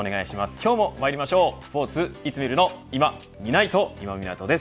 今日もまいりましょうスポーツいつ見るのいまみないと、今湊です。